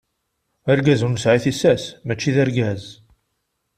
Argaz ur nesɛi tissas, mačči d argaz.